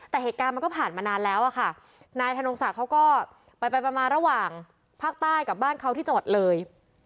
แต่เหตุการณ์มันก็ผ่านมานานแล้วอะค่ะนายธนงศักดิ์เขาก็ไปไปมาระหว่างภาคใต้กับบ้านเขาที่จังหวัดเลย